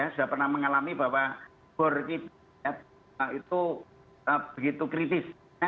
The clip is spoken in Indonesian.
sudah pernah mengalami bahwa bor kita itu begitu kritis